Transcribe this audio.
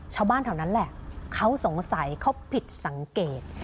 ชาวบ้านแถวนั้นแหละเขาสงสัยเขาผิดสังเกต